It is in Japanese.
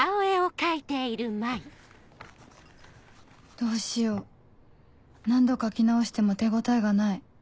どうしよう何度描き直しても手応えがない